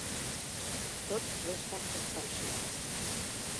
Tot resta en suspensió.